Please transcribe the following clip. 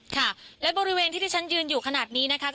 ค่ะและบริเวณที่ที่ฉันยืนอยู่ขนาดนี้นะคะ